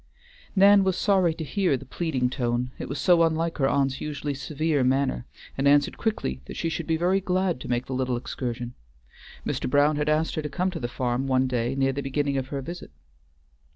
Nan was sorry to hear the pleading tone, it was so unlike her aunt's usually severe manner, and answered quickly that she should be very glad to make the little excursion. Mr. Brown had asked her to come to the farm one day near the beginning of her visit.